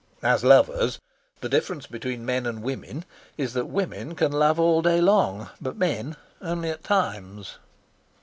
As lovers, the difference between men and women is that women can love all day long, but men only at times.